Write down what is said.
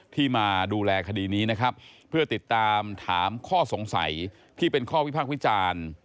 ที่มาดูแลคดีนี้นะครับเพื่อติดตามถามข้อสงสัยที่เป็นข้อวิพากษ์วิจารณ์